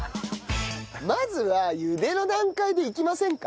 まずは茹での段階でいきませんか？